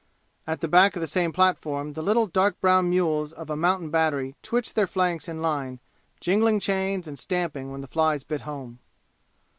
At the back of the same platform the little dark brown mules of a mountain battery twitched their flanks in line, jingling chains and stamping when the flies bit home.